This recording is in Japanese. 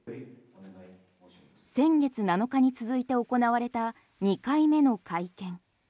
先月７日に続いて行われた２回目の会見。